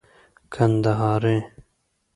کندهارى